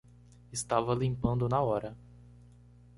Estava limpando na hora